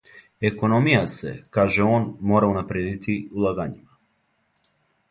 Економија се, каже он, мора унаприједити улагањима.